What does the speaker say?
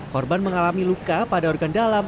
korban mengalami luka pada organ dalam